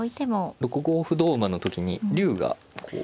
６五歩同馬の時に竜がこう。